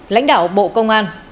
lãnh đạo bộ công an